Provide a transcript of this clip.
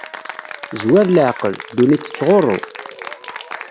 Zwir leɛqel, ddunit tettɣurru!